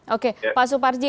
oke pak suparji